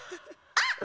あっ！